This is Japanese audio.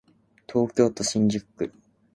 東京都新宿区